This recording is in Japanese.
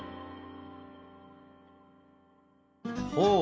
ほう。